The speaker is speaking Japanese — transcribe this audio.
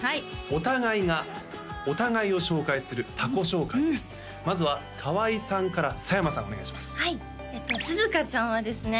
お互いがお互いを紹介する他己紹介ですまずはカワイさんから佐山さんお願いしますはいすずかちゃんはですね